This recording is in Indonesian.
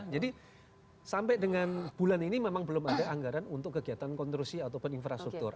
jadi sampai dengan bulan ini memang belum ada anggaran untuk kegiatan konstruksi atau penginfrasian ini ya pak